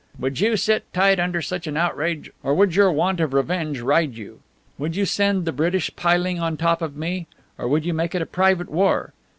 Would you sit tight under such an outrage, or would your want of revenge ride you? Would you send the British piling on top of me, or would you make it a private war?